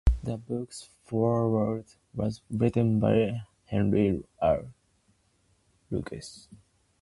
The book's foreword was written by Henry R. Luce.